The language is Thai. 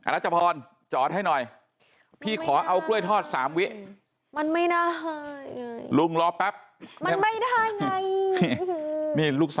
อาจภรจอดให้หน่อยพี่ขอเอากล้วยทอด๓วิ